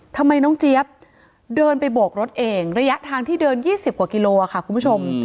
ทำไมน้องเจี๊ยบเดินไปโบกรถเองระยะทางที่เดิน๒๐กว่ากิโลค่ะคุณผู้ชม